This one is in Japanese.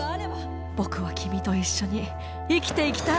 僕は君と一緒に生きていきたい。